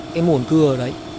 cái nguồn cưa đấy